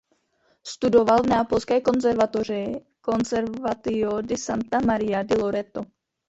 Studoval na neapolské konzervatoři "Conservatorio di Santa Maria di Loreto".